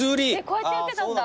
こうやって売ってたんだ。